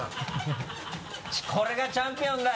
これがチャンピオンだ！